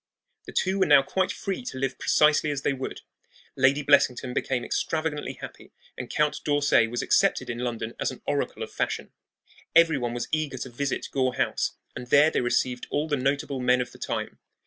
The two were now quite free to live precisely as they would. Lady Blessington became extravagantly happy, and Count d'Orsay was accepted in London as an oracle of fashion. Every one was eager to visit Gore House, and there they received all the notable men of the time.